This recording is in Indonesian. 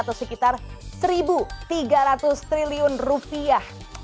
atau sekitar satu tiga ratus triliun rupiah